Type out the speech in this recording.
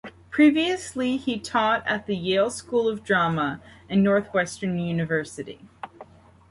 Previously he taught at the Yale School of Drama and Northwestern University.